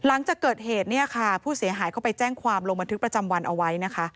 หลังจากเกิดเหตุเนี่ยค่ะผู้เสียหายเขาไปแจ้งความลงบันทึกประจำวันเอาไว้นะคะ